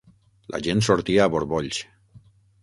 La gent sortia a borbolls.